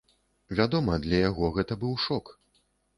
Вядома, для яго гэта быў шок.